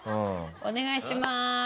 お願いします」